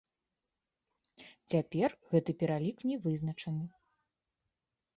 Цяпер гэты пералік не вызначаны.